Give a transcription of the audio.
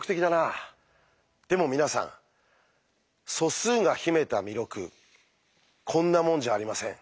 でも皆さん素数が秘めた魅力こんなもんじゃありません。